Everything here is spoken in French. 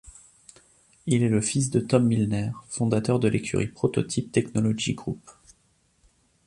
Il est le fils de Tom Milner, fondateur de l'écurie Prototype Technology Group.